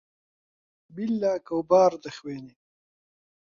بیللا کەوباڕ دەخوێنێ